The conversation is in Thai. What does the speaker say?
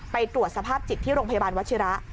ไปตรวจสภาพจิตที่โรงพยาบาลวัชิระ